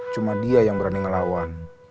cuma dia yang berani ngelawan